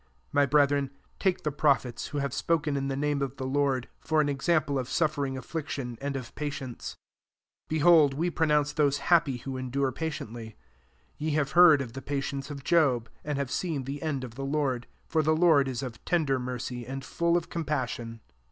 10 My brethren, take the prophets, who have spoken in the name of the Lord, for an example of suffering afHiction, and of patience. 11 Behold, we pronounce those happy who en dure patiently. Ye have heard of the patience of Job, and have seen the end of the Lord ; for [^the Lord] is of tender mercy, and full of compassion.